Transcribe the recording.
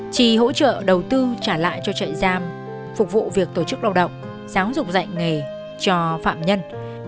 trì hỗ trợ đầu tư trả lại cho trại giam phục vụ việc tổ chức lao động giáo dục dạy nghề cho phạm nhân